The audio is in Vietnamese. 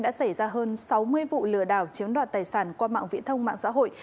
đã xảy ra hơn sáu mươi vụ lừa đảo chiếm đoạt tài sản qua mạng viễn thông mạng xã hội